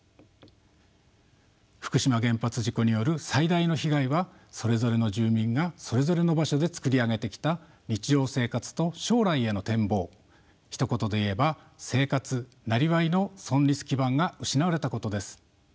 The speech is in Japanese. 福島原発事故による最大の被害はそれぞれの住民がそれぞれの場所でつくり上げてきた日常生活と将来への展望ひと言で言えば生活・なりわいの存立基盤が失われたことです。